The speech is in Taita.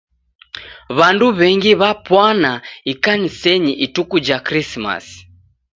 W'andu w'engi w'apwana ikanisenyi ituku ja Krismasi.